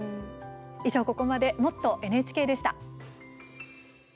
以上、ここまで「もっとＮＨＫ」でした。